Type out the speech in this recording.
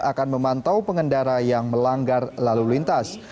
akan memantau pengendara yang melanggar lalu lintas